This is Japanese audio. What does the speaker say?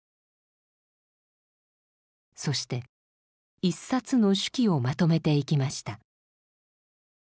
そして一冊の手記をまとめていきました。